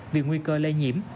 vì nguy cơ lây nhiễm